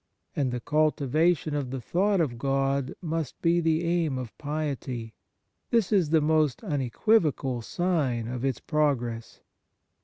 And the cultiva tion of the thought of God must be the aim of piety ; this is the most unequivocal sign of its progress.